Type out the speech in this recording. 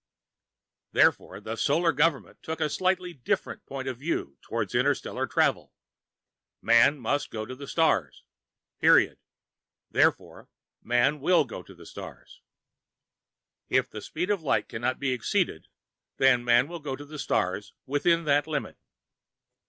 Therefore, the Solar Government took a slightly different point of view towards interstellar travel Man must go to the stars. Period. Therefore, Man will go to the stars. If the speed of light could not be exceeded, then Man would go to the stars within that limit.